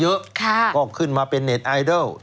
ใครคือน้องใบเตย